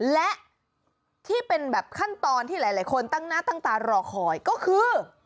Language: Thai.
และที่เป็นแบบขั้นตอนที่หลายคนตั้งหน้าตั้งตารอคอยก็คือ